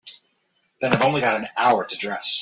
Then I've only got an hour to dress.